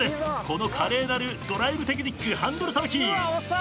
この華麗なるドライブテクニックハンドルさばき。